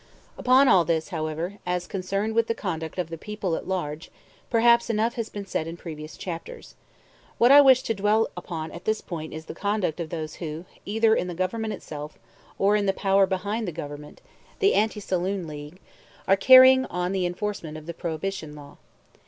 Upon all this, however, as concerned with the conduct of the people at large, perhaps enough has been said in previous chapters. What I wish to dwell upon at this point is the conduct of those who, either in the Government itself, or in the power behind the Government the Anti Saloon League are carrying on the enforcement of the Prohibition law.